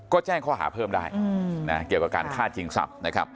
ก็แจ้งข้อหาเพิ่มได้นะเกี่ยวกับการฆ่าชิงทรัพย์นะครับ